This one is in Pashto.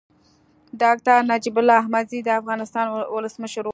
ډاکټر نجيب الله احمدزی د افغانستان ولسمشر و.